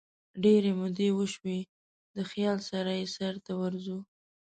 ډیري مودې وشوي دخیال سره یې سرته ورځو